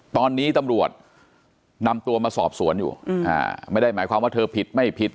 ตอนนี้ตำรวจนำตัวมาสอบสวนอยู่ไม่ได้หมายความว่าเธอผิดไม่ผิด